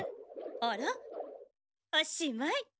あらおしまい。